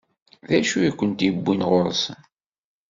D acu i kent-iwwin ɣur-sen?